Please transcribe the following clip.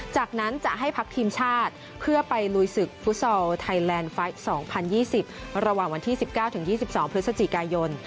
จากนั้นจะให้พักทีมชาติเพื่อไปลุยศึกฟุตซอลไทยแลนด์ไฟล์๒๐๒๐ระหว่างวันที่๑๙๒๒พฤศจิกายน